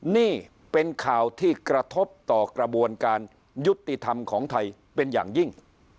นี่เป็นข่าวที่กระทบต่อกระบวนการยุติธรรมของไทยเป็นอย่างยิ่ง